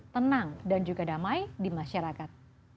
tenang dan juga damai di masyarakat